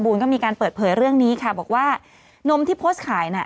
รัฐนี้มีเก็บปลายทาง